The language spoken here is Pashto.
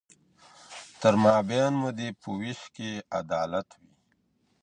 تر مابین مو دي په وېش کي عدالت وي.